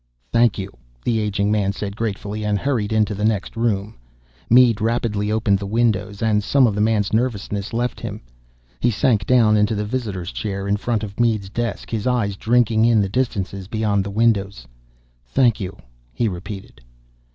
"Thank you," the aging man said gratefully and hurried into the next room. Mead rapidly opened the windows, and some of the man's nervousness left him. He sank down into the visitor's chair in front of Mead's desk, his eyes drinking in the distances beyond the windows. "Thank you," he repeated.